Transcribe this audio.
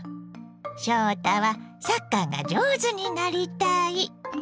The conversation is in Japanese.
翔太はサッカーが上手になりたい。